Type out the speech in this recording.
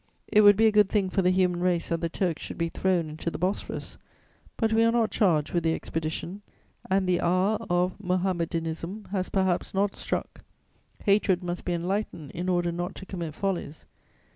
It would be a good thing for the human race that the Turks should be thrown into the Bosphorus; but we are not charged with the expedition, and the hour of Mohammedanism has perhaps not struck: hatred must be enlightened in order not to commit follies.